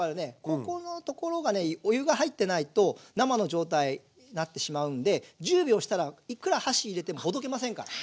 ここのところがねお湯が入ってないと生の状態になってしまうんで１０秒したらいっくら箸入れてもほどけませんから。